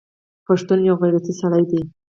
پښتون یوغیرتي سړی دی